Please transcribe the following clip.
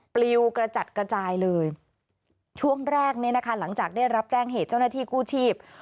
ปลิวกระจัดกระจายเลยช่วงแรกเนี่ยนะคะหลังจากได้รับแจ้งเหตุเจ้าหน้าที่กู้ชีพ